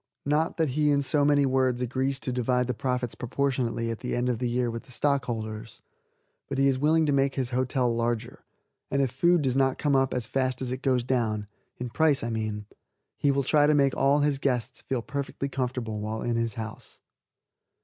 Not that he in so many words agrees to divide the profits proportionately at the end of the year with the stockholders, but he is willing to make his hotel larger, and if food does not come up as fast as it goes down in price, I mean he will try to make all his guests feel perfectly comfortable while in his house.